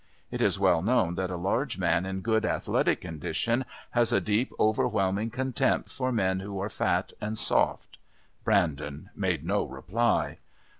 It is well known that a large man in good athletic condition has a deep, overwhelming contempt for men who are fat and soft. Brandon made no reply.